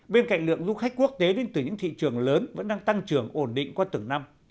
bên cạnh lượng du khách quốc tế đến từ những thị trường lớn vẫn đang tăng trưởng ổn định qua từng năm